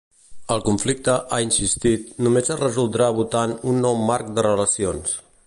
El conflicte, ha insistit, només es resoldrà votant ‘un nou marc de relacions’.